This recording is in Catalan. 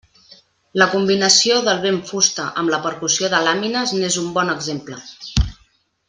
La combinació del vent-fusta amb la percussió de làmines n'és un bon exemple.